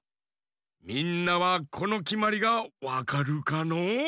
みんなはこのきまりがわかるかのう？